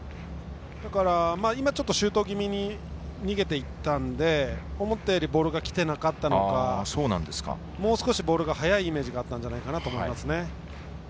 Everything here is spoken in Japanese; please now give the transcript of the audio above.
今はシュート気味に逃げていったんで思ったよりもボールがきていなかったのかもう少しボールが速いイメージがあったんじゃないかなと思いますね。